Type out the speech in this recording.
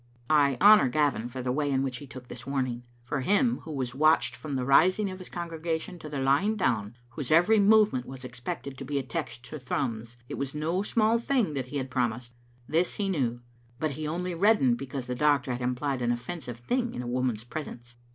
I honour Gavin for the way in which he took this warning. For him, who was watched from the rising of his congregation to their lying down, whose every movement was expected to be a text to Thrums, it was no small thing that he had promised. This he knew, but he only reddened because the doctor had implied an offensive thing in a woman's presence.